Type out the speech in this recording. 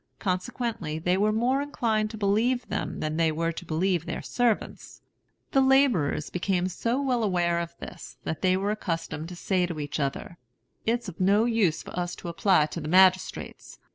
Consequently, they were more inclined to believe them than they were to believe their servants. The laborers became so well aware of this, that they were accustomed to say to each other, "It's of no use for us to apply to the magistrates.